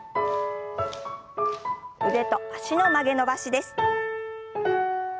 腕と脚の曲げ伸ばしです。